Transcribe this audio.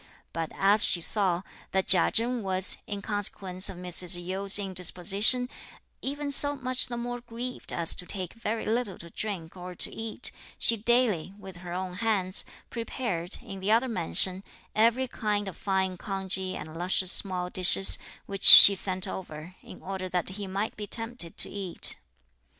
But as she saw, that Chia Chen was, in consequence of Mrs. Yu's indisposition, even so much the more grieved as to take very little to drink or to eat, she daily, with her own hands, prepared, in the other mansion, every kind of fine congee and luscious small dishes, which she sent over, in order that he might be tempted to eat.